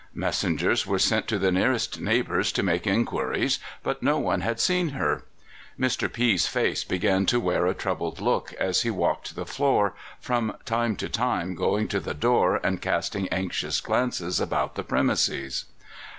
Messengers were sent to the nearest neighbors to make inquiries, but no one had seen her. Mr. P 's face began to wear a troubled look as he walked the floor, from time to time going to the door and casting anxious glances about the premises.